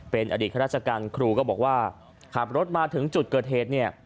เป็นอดีตข้าราชการครูก็บอกว่าขับรถมาถึงจุดเกิดเหตุเนี่ย